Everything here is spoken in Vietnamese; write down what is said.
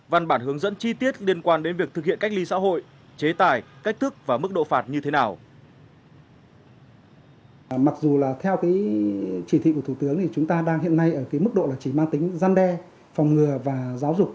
văn bản hướng dẫn chi tiết liên quan đến việc thực hiện cách ly xã hội chế tài cách thức và mức độ phạt như thế nào